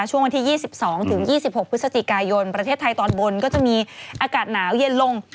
ช่วงวันที่๒๒๒๖พฤศจิกายนประเทศไทยตอนบนก็จะมีอากาศหนาวเย็นลง